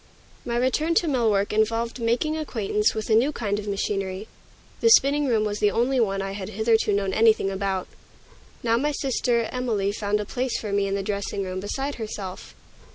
My return to mill work involved making acquaintance with a new kind of machinery. The spinning room was the only one I had hitherto known anything about. Now my sister Emilie found a place for me in the dressing room, beside herself.